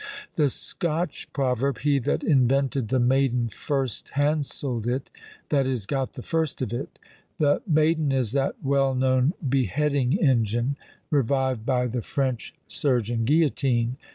The Scotch proverb, He that invented the maiden first hanselled it; that is, got the first of it! The maiden is that well known beheading engine, revived by the French surgeon Guillotine.